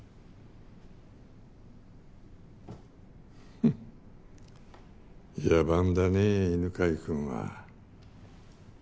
ふっ野蛮だね犬飼君は。